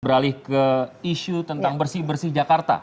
beralih ke isu tentang bersih bersih jakarta